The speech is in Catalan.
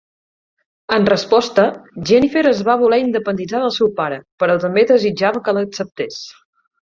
En resposta, Jennifer es va voler independitzar del seu pare, però també desitjava que l'acceptés.